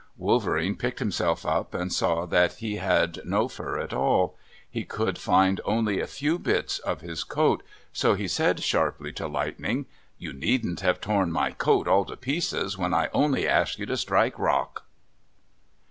Wolverene picked himself up and saw that he had no fur at all. He could find only a few bits of his coat so he said sharply to Lightning, "You needn't have torn my coat all to pieces when I only asked you to strike Rock!"